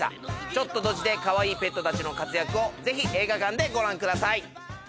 ちょっとドジでかわいいペットたちの活躍をぜひ映画館でご覧ください！